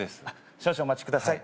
少々お待ちください